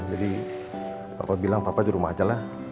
jadi pak pak bilang pak pak di rumah aja lah